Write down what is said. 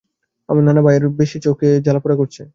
আমার নানা ভাইয়ের খুব বেশি চোখে জ্বালা-পোড়া করছে।